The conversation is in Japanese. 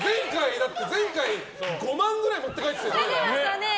前回、５万ぐらい持って帰ってたよね。